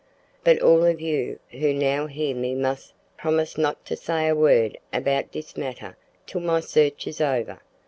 But all of you who now hear me mus' promise not to say a word about this matter till my search is over.